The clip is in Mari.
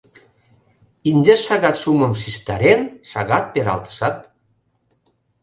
Индеш шагат шумым шижтарен, шагат пералтышат